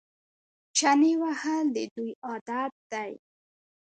چنې وهل د دوی عادت دی.